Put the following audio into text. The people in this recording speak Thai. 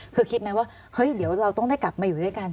คือคิดไหมว่าเฮ้ยเดี๋ยวเราต้องได้กลับมาอยู่ด้วยกัน